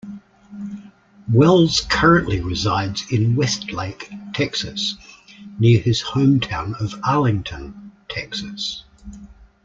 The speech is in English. Wells currently resides in Westlake, Texas, near his hometown of Arlington, Texas.